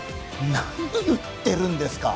何言ってるんですか？